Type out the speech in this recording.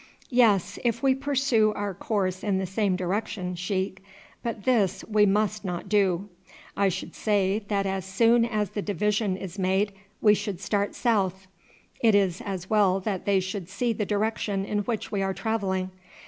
"Yes, if we pursue our course in the same direction, sheik, but this we must not do. I should say that as soon as the division is made we should start south; it is as well that they should see the direction in which we are travelling.